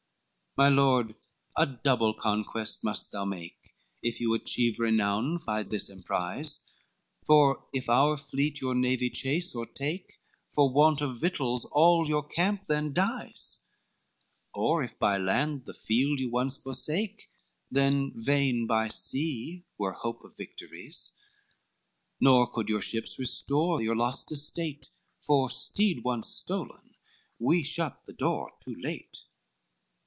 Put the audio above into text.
LXXVII "My lord, a double conquest must you make, If you achieve renown by this emprize: For if our fleet your navy chase or take, For want of victuals all your camp then dies; Of if by land the field you once forsake, Then vain by sea were hope of victories. Nor could your ships restore your lost estate: For steed once stolen, we shut the door too late.